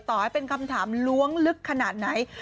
ต่อให้เป็นคำถามล้วงลึกขนาดไหน